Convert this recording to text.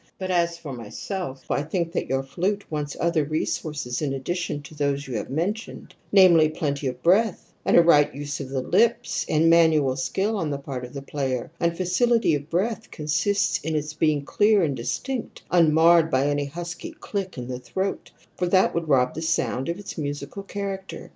But as for myself, I think that your flute wants other resources in addition to those you have mentioned, namely plenty of breath, and a right use of the lips, and manual skill on the. part of the player; and facility of breath consists in its being clear and Wistinct, unmarred by any husky click in the throat, for that would rob the sound of its musical character.